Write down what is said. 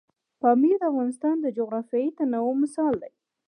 پامیر د افغانستان د جغرافیوي تنوع مثال دی.